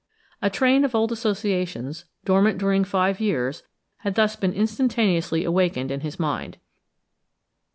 A train of old associations, dormant during five years, had thus been instantaneously awakened in his mind.